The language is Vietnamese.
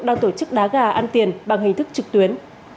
các đối tượng đang tổ chức đá gà ăn tiền bằng hình thức trực tuyến